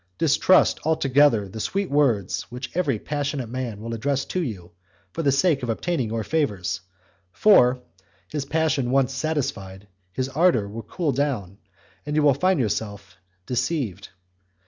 Distrust altogether the sweet words which every passionate man will address to you for the sake of obtaining your favours, for, his passion once satisfied, his ardour will cool down, and you will find yourself deceived.